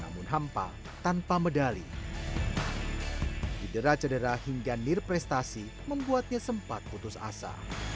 namun hampa tanpa medali cedera cedera hingga nirprestasi membuatnya sempat putus asa